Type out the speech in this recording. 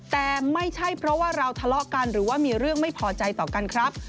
แต่ไม่ใช่เพราะว่าเราทะเลาะกันหรือว่ามีเรื่องไม่พอใจต่อกันครับ